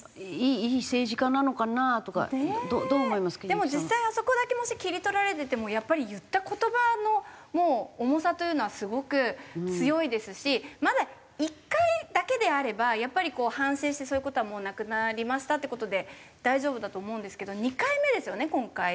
でも実際あそこだけもし切り取られててもやっぱり言った言葉の重さというのはすごく強いですしまだ１回だけであればやっぱり反省してそういう事はもうなくなりましたっていう事で大丈夫だと思うんですけど２回目ですよね今回。